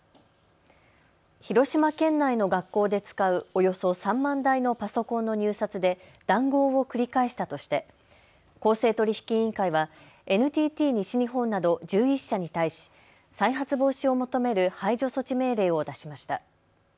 広島県内の学校で使うおよそ３万台のパソコンの入札で談合を繰り返したとして公正取引委員会はＮＴＴ西日本など１１社に対し再発防止を求める排除措置命令を出しました。